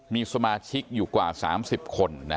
มีสมาชิกอยู่กว่าสามสิบคน